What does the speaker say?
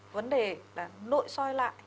vấn đề là nội soi lại